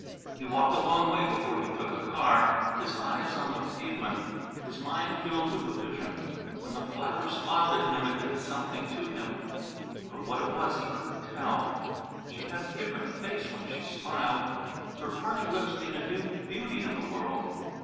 He walked a long way before he took a car, his eyes on the pavement, his mind filled with a vision. When the flapper smiled it did something to him, but what it was he couldn't tell. She had a different face when she smiled; her parting lips made a new beauty in the world.